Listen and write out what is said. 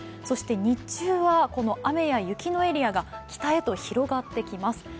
そして日中はこの雨や雪のエリアが北へと広がってきます。